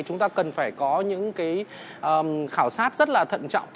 chúng ta cần phải có những cái khảo sát rất là thận trọng